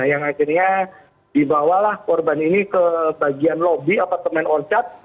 yang akhirnya dibawalah korban ini ke bagian lobby apartemen oncat